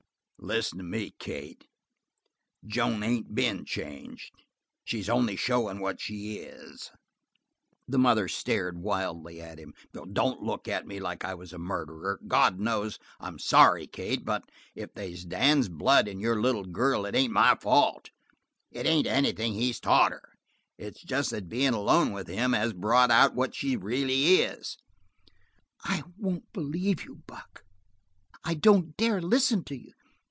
"Listen to me, Kate. Joan ain't been changed. She's only showin' what she is." The mother stared wildly at him. "Don't look like I was a murderer. God knows I'm sorry, Kate, but if they's Dan's blood in your little girl it ain't my fault. It ain't anything he's taught her. It's just that bein' alone with him has brought out what she really is." "I won't believe you, Buck. I don't dare listen to you!"